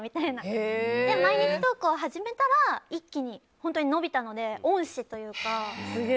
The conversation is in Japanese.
それで毎日投稿始めたら一気に伸びたので、恩師というか。